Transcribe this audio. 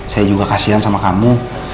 saya juga kasihan sama kamu